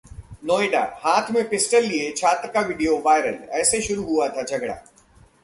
नोएडा: हाथ में पिस्टल लिए छात्र का वीडियो वायरल, ऐसे शुरू हुआ था झगड़ा